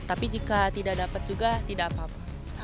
tapi jika tidak dapat juga tidak apa apa